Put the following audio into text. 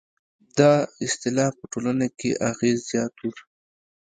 دا اصطلاح په ټولنه کې اغېز زیات و.